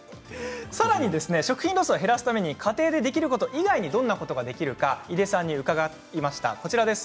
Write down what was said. さらに食品ロスを減らすために家庭でできること以外でどんなことができるか話を、伺いました。